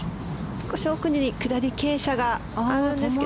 少し奥に下り傾斜があるんですけど。